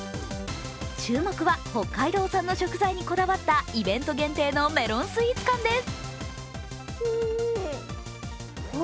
注目は北海道産の食材にこだわったイベント限定のメロンスイーツ缶です。